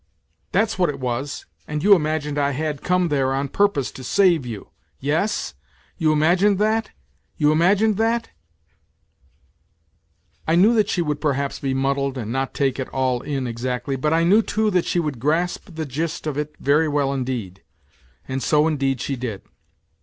... That's what it was, and you imagined I had come there on purpose to save you. Yes 1 You imagined that ? You imagined that ?" I knew that she would perhaps be muddled and not take it all in exactly, but I knew, too, that she would grasp the gist of it, very well indeed. And so, indeed, she did.